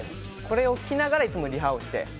これを着ながらいつもリハをして。